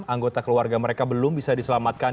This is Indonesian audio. anggota keluarga mereka belum bisa diselamatkan